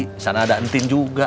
disana ada entin juga